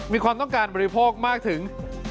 มีความต้องการบริโภคมากถึง